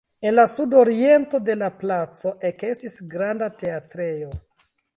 En la sudoriento de la placo ekestis granda teatrejo.